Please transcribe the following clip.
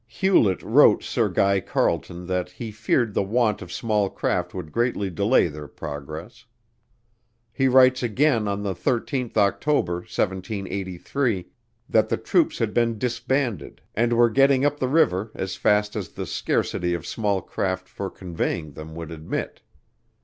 Hewlett wrote Sir Guy Carleton that he feared the want of small craft would greatly delay their progress. He writes again on the 13th October, 1783, that the troops had been disbanded and were getting up the river as fast as the scarcity of small craft for conveying them would admit.